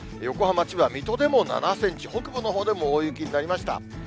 横浜、千葉、水戸でも７センチ、北部のほうでも大雪になりました。